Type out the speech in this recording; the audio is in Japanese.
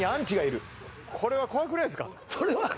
これは怖くないですか？